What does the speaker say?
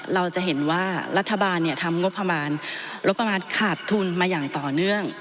เราจะเห็นว่ารัฐบาลทำงบประมาณงบประมาณขาดทุนมาอย่างต่อเนื่อง